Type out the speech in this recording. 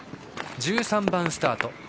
１３番スタート